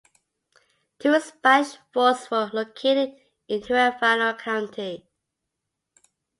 Two Spanish forts were located in Huerfano County.